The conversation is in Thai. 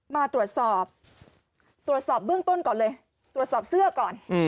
มาตรวจสอบตรวจสอบเบื้องต้นก่อนเลยตรวจสอบเสื้อก่อน